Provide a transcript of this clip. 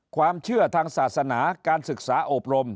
ความเชื่อทางศาสนาการศึกษาอบรม